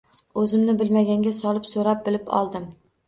Oʻzimni bilmaganga solib soʻrab, bilib oldim.